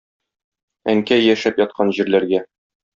Әнкәй яшәп яткан җирләргә.